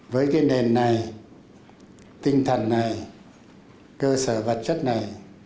với cái nền này tinh thần này cơ sở vật chất này